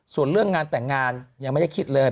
ส่วนเรื่องงานแต่งงานยังไม่ได้คิดเลย